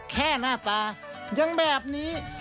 หน้าตายังแบบนี้